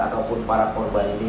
ataupun para korban ini